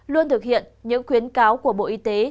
luôn thực hiện những khuyến cáo của bộ y tế